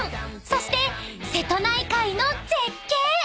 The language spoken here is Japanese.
そして瀬戸内海の絶景］